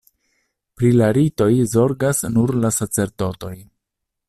Pri la ritoj zorgas nur la sacerdotoj.